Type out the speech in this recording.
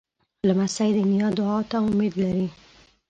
لمسی د نیا دعا ته امید لري.